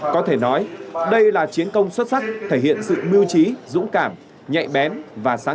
có thể nói đây là chiến công xuất sắc thể hiện sự mưu trí dũng cảm nhạy bén và sáng